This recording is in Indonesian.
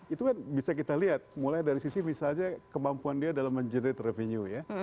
itu kan bisa kita lihat mulai dari sisi misalnya kemampuan dia dalam menjerat revenue ya